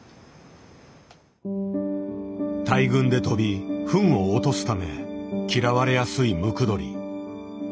大群で飛びフンを落とすため嫌われやすいムクドリ。